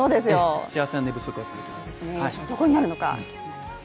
幸せな寝不足は続きます。